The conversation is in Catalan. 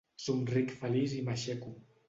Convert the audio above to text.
Somric feliç i m'aixeco.